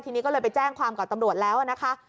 ทีนี้ก็เลยไปแจ้งความกับตำรวจแล้วนะคะ